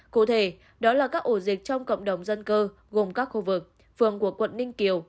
cụ thể đó là các ổ dịch trong cộng đồng dân cư gồm các khu vực phường của quận ninh kiều